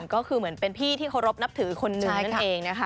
ก็คือเหมือนเป็นพี่ที่เคารพนับถือคนนึงนั่นเองนะคะ